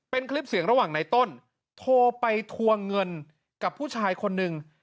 เป็นคลิปเสียงระหว่างในต้นโทรไปทวงเงินกับผู้ชายคนหนึ่ง